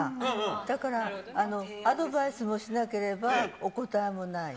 だから、アドバイスもしなければ、お答えもない。